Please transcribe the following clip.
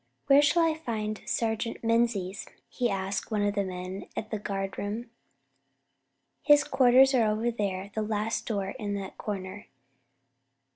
"Where shall I find Sergeant Menzies?" he asked one of the men at the guardroom. "His quarters are over there, the last door in that corner."